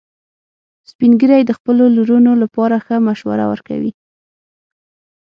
سپین ږیری د خپلو لورونو لپاره ښه مشوره ورکوي